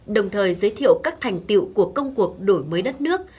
đồng thời giới thiệu các thành tiệu của công cuộc đổi mới đất nước